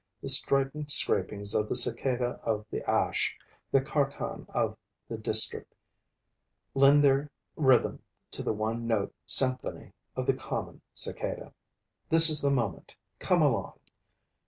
The strident scrapings of the Cicada of the Ash, the Carcan of the district, lend their rhythm to the one note symphony of the common cicada. This is the moment: come along!